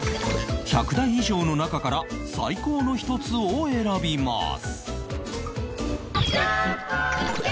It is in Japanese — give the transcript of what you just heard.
１００台以上の中から最高の１つを選びます